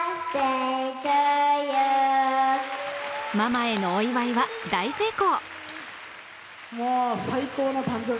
ママへのお祝いは大成功！